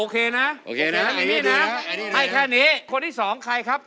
คนที่สองใครครับ